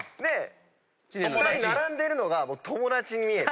２人並んでるのが「友達」に見えて。